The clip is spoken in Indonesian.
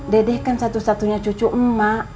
dedeh kan satu satunya cucu emak